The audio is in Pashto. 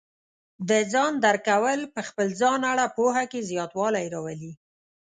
د ځان درک کول په خپل ځان اړه پوهه کې زیاتوالی راولي.